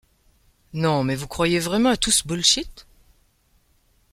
Non mais vous croyez vraiment à tout ce bullshit ?